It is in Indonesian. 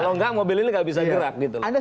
kalau nggak mobil ini nggak bisa gerak gitu loh